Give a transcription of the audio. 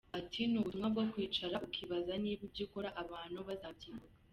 Ati “Ni ubutumwa bwo kwicara ukibaza niba ibyo ukora abantu bazabyibuka.